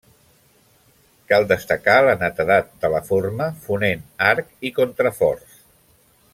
Cal destacar la netedat de la forma, fonent arc i contraforts.